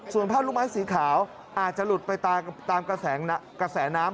ส่วนผ้าลูกไม้สีขาวอาจจะหลุดไปตามกระแสน้ำ